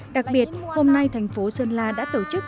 đặc biệt hôm nay thành phố sơn la đã tổ chức